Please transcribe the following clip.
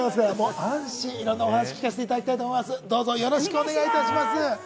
いろんなお話、聞かせていただきたいと思います。